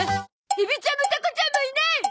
エビちゃんもタコちゃんもいない！